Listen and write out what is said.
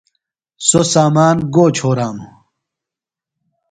سوۡ سامان گو چھرانُوۡ؟